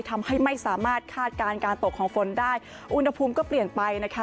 ทำให้ไม่สามารถคาดการณ์การตกของฝนได้อุณหภูมิก็เปลี่ยนไปนะคะ